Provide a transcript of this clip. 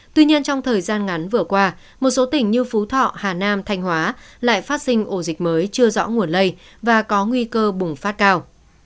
tuy nhiên trong thời gian ngắn vừa qua một số tỉnh như phú thọ hà nam thanh hóa lại phát sinh ổ dịch mới chưa rõ nguồn lây và có nguy cơ bùng phát cao